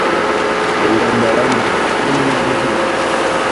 Aba ibamba arambuza Ati:iyo mu igi ntibika